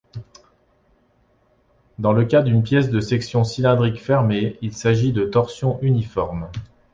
Dans le cas d'une pièce de section cylindrique fermée, il s'agit de torsion uniforme.